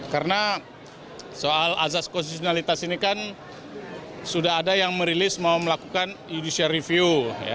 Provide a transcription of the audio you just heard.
karena soal asas konstitusionalitas ini kan sudah ada yang merilis mau melakukan judicial review